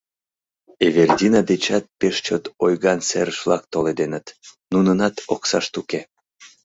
Эвердина дечат пеш чот ойган серыш-влак толеденыт, нунынат оксашт уке.